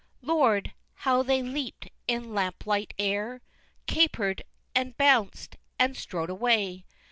Lord! how they leap'd in lamplight air! Caper'd and bounc'd and strode away!